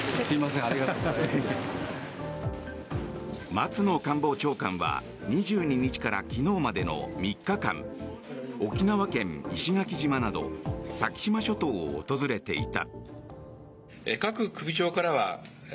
松野官房長官は２２日から昨日までの３日間沖縄県・石垣島など先島諸島を訪れていた。